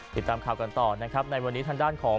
ติดตามคาวกันต่อนะครับท่านด้านของ